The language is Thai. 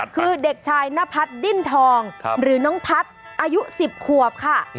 คือเด็กชายนพัฒน์ดิ้นทองหรือน้องทัศน์อายุ๑๐ขวบค่ะ